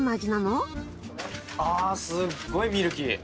あすっごいミルキー。